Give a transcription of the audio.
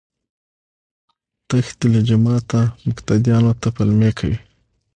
تښتي له جوماته مقتديانو ته پلمې کوي